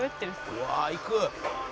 「うわいく」